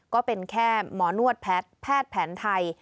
ก็เป็นแค่หมอนวดแพทย์แพทย์แผนไทย